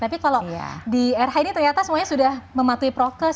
tapi kalau di rh ini ternyata semuanya sudah mematuhi prokes